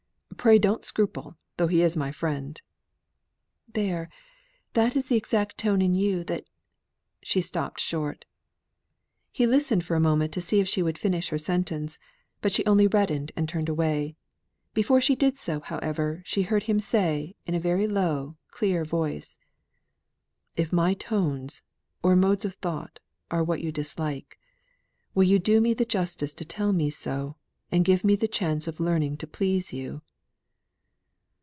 Pray don't scruple, though he is my friend." "There! that is the exact tone in you, that" she stopped short. He listened for a moment to see if she would finish her sentence; but she only reddened, and turned away; before she did so, however, she heard him say, in a very low, clear voice, "If my tones, or modes of thought, are what you dislike, will you do me the justice to tell me so, and so give me the chance of learning to please you."